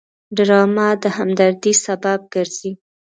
ډرامه د همدردۍ سبب ګرځي